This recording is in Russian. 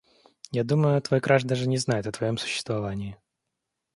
Я думаю, твой краш даже не знает о твоём существовании.